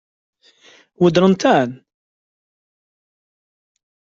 Weddṛent-tent?